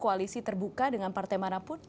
koalisi terbuka dengan partai marah pun